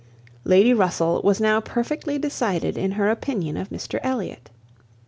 Lady Russell was now perfectly decided in her opinion of Mr Elliot.